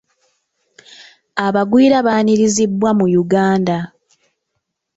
Abagwira baanirizibwa mu Uganda.